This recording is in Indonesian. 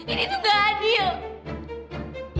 ini tuh gak adil